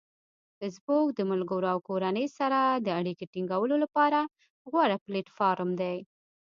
فېسبوک د ملګرو او کورنۍ سره د اړیکې ټینګولو لپاره غوره پلیټفارم دی.